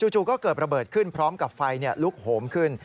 จู่ก็เกิดระเบิดขึ้นพร้อมกับไฟลุกโหมขึ้น